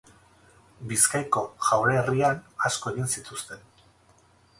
Bizkaiko Jaurerrian asko egin zituzten.